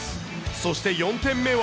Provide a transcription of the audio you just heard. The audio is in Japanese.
そして４点目は。